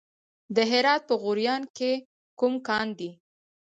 د هرات په غوریان کې کوم کان دی؟